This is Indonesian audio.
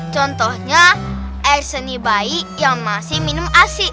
contohnya air seni bayi yang masih minum asi